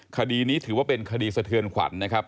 คดีนี้ถือว่าเป็นคดีสะเทือนขวัญนะครับ